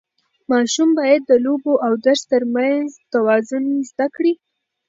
ماشوم باید د لوبو او درس ترمنځ توازن زده کړي.